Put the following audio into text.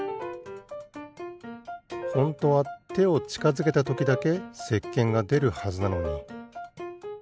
ホントはてをちかづけたときだけせっけんがでるはずなのに。